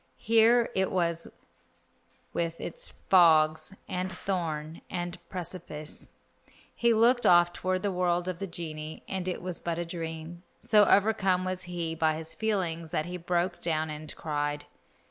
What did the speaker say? Here it was with its fogs, and thorn, and precipice. He looked off toward the world of the genii, and it was but a dream. So overcome was he by his feelings that he broke down and cried.